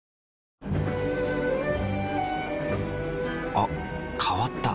あ変わった。